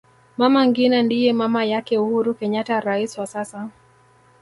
mama ngina ndiye mama yake uhuru kenyatta rais wa sasa